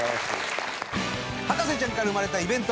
『博士ちゃん』から生まれたイベント